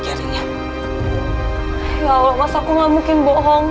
ya allah mas aku gak mungkin bohong